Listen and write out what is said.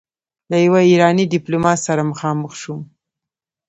له يوه ايراني ډيپلومات سره مخامخ شوم.